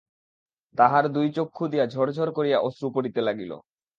তাঁহার দুই চক্ষু দিয়া ঝরঝর করিয়া অশ্রু পড়িতে লাগিল।